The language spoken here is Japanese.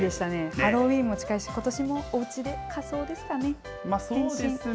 ハロウィーンも近いし、おうちでそうですね。